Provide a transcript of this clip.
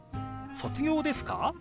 「卒業ですか？」。